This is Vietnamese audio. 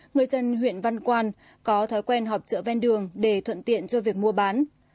người dân huyện văn quan có thói quen họp chợ ven đường để thuận tiện cho việc mua bán